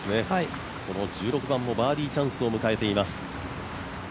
この１６番もバーディーチャンスを迎えています。